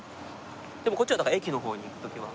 でもこっちは駅の方に行く時は。